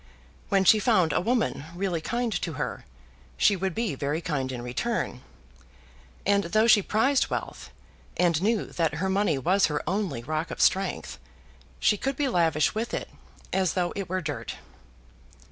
When she found a woman really kind to her, she would be very kind in return. And though she prized wealth, and knew that her money was her only rock of strength, she could be lavish with it, as though it were dirt.